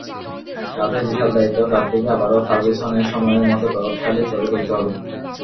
কাঁধে বিশাল দায়িত্ব, ক্লাবটিকে আবারও ফার্গুসনের সময়ের মতো প্রতাপশালী করে তুলতে হবে।